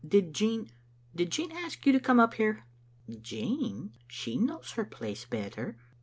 Did Jean — did Jean ask you to come up here?" "Jean? She knows her place better."